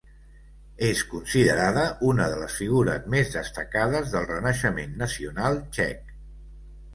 És considerada una de les figures més destacades del renaixement nacional txec.